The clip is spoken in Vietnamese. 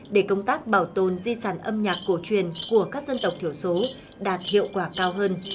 để công tác bảo tồn di sản âm nhạc cổ truyền của các dân tộc thiểu số đạt hiệu quả cao hơn